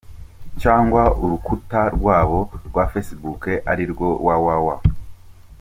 rw cyangwa urukuta rwabo rwa Facebook arirwo www.